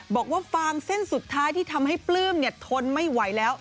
ฟางเส้นสุดท้ายที่ทำให้ปลื้มทนไม่ไหวแล้ว